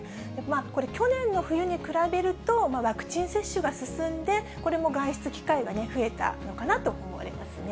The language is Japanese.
これ、去年の冬に比べると、ワクチン接種が進んで、これも外出機会が増えたのかなと思われますね。